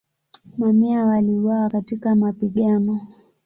Mamia waliuawa katika mapigano.